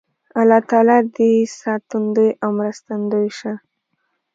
الله تعالی دې ساتندوی او مرستندوی شه